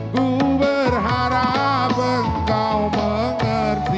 ku berharap engkau mengerti